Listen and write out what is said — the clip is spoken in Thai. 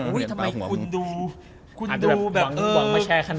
ไปแล้วไมคุณดูแบบ